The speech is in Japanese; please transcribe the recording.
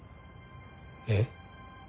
えっ？